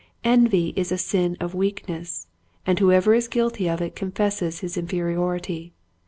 Envy is a sin of weakness, and whoever is guilty of it confesses his inferi ority.